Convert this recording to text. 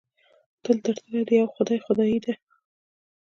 تل تر تله د یوه خدای خدایي ده.